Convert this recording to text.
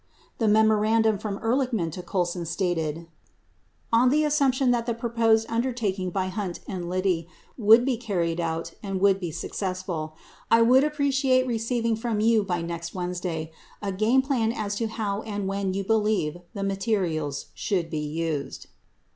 The memorandum from Ehrlichman to Colson stated : On the assumption that the proposed undertaking by Hunt and Liddy would be carried out and would be successful, I would appreciate receiving from you by next Wednesday a game plan as to how and when you believe the materials should be used.